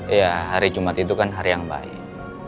iya hari jumat itu kan hari yang baik